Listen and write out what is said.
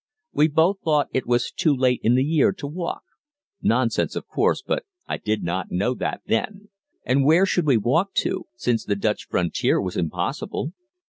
We both thought it was too late in the year to walk (nonsense, of course, but I did not know that then); and where should we walk to, since the Dutch frontier was impossible?